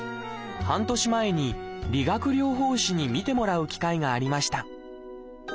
半年前に理学療法士に診てもらう機会がありました。